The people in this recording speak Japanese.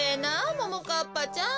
ももかっぱちゃん。